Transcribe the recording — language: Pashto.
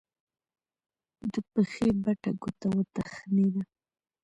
د پښې بټه ګوته وتخنېده.